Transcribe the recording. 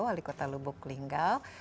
wali kota lubuk linggal